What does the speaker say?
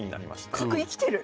あっ角生きてる！